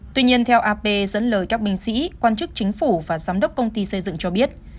tuy nhiên theo ap dẫn lời các binh sĩ quan chức chính phủ và giám đốc công ty xây dựng cho biết